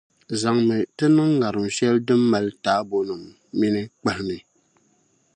zaŋmi tiniŋŋarim shεli din mali taabonim’ mini kpahi ni.